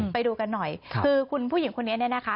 ไปดูกันหน่อยคือคุณผู้หญิงคนนี้เนี่ยนะคะ